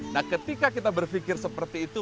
nah ketika kita berpikir seperti itu